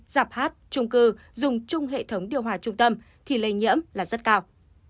giạp hát trung cư dùng chung hệ thống điều hòa trung tâm thì lây nhiễm là rất cao